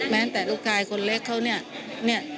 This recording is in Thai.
แม้แต่ลูกชายคนเล็กเขาเนี่ย